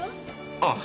ああ。